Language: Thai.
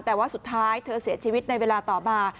แต่ว่าสุดท้ายเธอเสียชีวิตในเวลาต่อมา